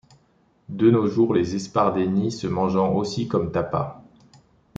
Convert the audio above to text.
De nos jours, les espardenyes se mangeant aussi comme tapa.